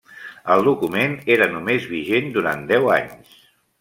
El document era només vigent durant deu anys.